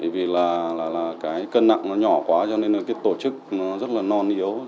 vì là cái cân nặng nó nhỏ quá cho nên là cái tổ chức nó rất là non yếu